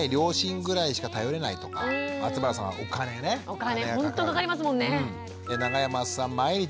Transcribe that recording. お金ほんとかかりますもんね。